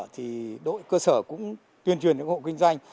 thì đội cơ sở cũng tuyên truyền đến các hộ kinh doanh